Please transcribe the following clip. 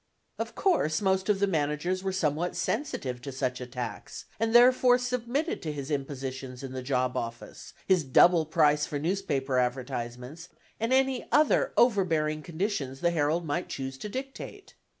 Of course most of the managers were somewhat sensitive to such attacks, and therefore submitted to his impositions in the job office, his double price for newspaper advertisements, and any other overbearing conditions the Herald might choose to dictate.